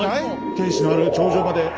天主のある頂上まで。